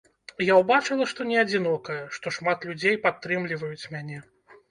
Я ўбачыла, што не адзінокая, што шмат людзей падтрымліваюць мяне.